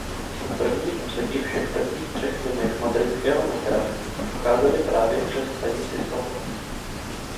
První úseky všech prvních třech linek madridského metra procházely právě přes stanici Sol.